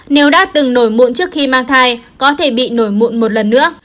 nếu đã từng nổi mụn trước khi mang thai có thể bị nổi mụn một lần nữa